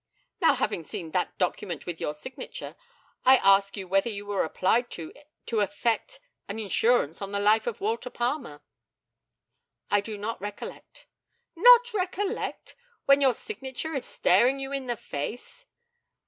Now, having seen that document with your signature, I ask you whether you were applied to to effect an insurance on the life of Walter Palmer? I do not recollect. Not recollect! when your signature is staring you in the face?